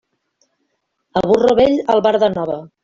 A burro vell, albarda nova.